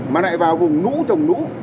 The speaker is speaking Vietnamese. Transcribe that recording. mà lại vào vùng nũ trồng nũ